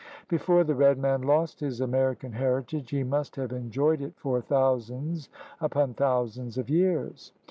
Before the red man lost his American heritage, he must have enjoyed it for thousands upon thou sands of years.